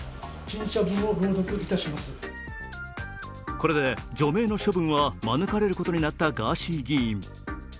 これで除名の処分は免れることになったガーシー議員。